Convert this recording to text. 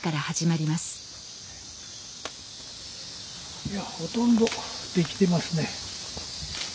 いやほとんどできてますね。